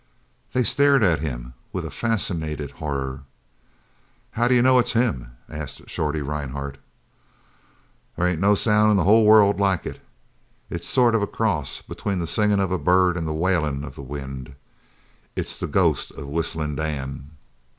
They stared at him with a fascinated horror. "How do you know it's him?" asked Shorty Rhinehart. "There ain't no sound in the whole world like it. It's a sort of cross between the singing of a bird an' the wailin' of the wind. It's the ghost of Whistlin' Dan."